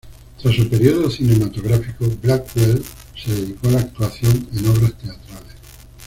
Tras su período cinematográfico, Blackwell se dedicó a la actuación en obras teatrales.